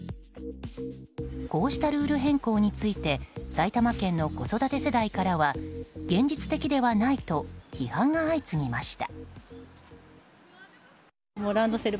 こうしたルール変更について埼玉県の子育て世代からは現実的ではないと批判が相次ぎました。